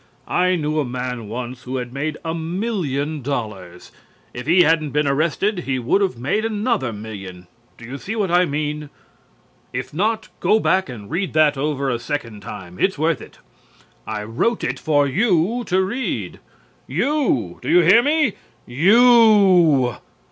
I knew a man once who had made a million dollars. If he hadn't been arrested he would have made another million. Do you see what I mean? If not, go back and read that over a second time. It's worth it. I wrote it for you to read. You, do you hear me? You!